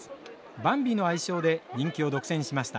バンビの愛称で人気を独占しました。